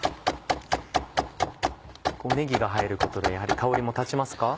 ねぎが入ることでやはり香りも立ちますか？